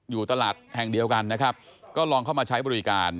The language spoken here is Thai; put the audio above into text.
อยู่ตลาดแห่งเดียวกันนะครับก็ลองเข้ามาใช้บริการ